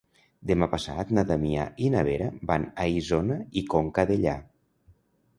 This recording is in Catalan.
Demà passat na Damià i na Vera van a Isona i Conca Dellà.